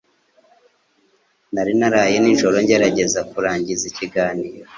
Nari naraye nijoro ngerageza kurangiza ikiganiro